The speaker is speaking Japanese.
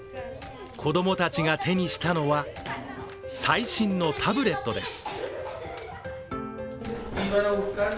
子供たちが手にしたのは、最新のタブレットです。